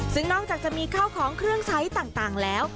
ซึ่งนอกจากจะมีข้าวของเครื่องใช้ต่างแล้ว